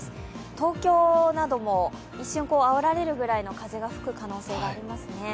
東京なども一瞬あおられるぐらいの風が吹く可能性がありますね。